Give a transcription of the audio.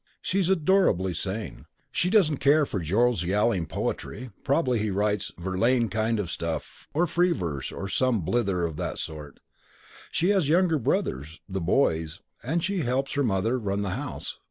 She's adorably sane. She doesn't care for Joe's yowling poetry (probably he writes Verlaine kind of stuff, or free verse, or some blither of that sort). She has younger brothers ['the boys') and she helps her mother run the house.